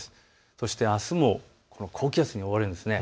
そしてあすも高気圧に覆われるです。